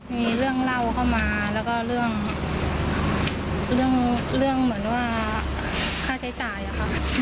มีเรื่องเล่าเข้ามาแล้วก็เรื่องเรื่องเหมือนว่าค่าใช้จ่ายอะค่ะ